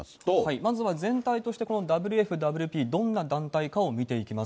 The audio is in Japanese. まずは、全体として、このＷＦＷＰ、どんな団体かを見ていきます。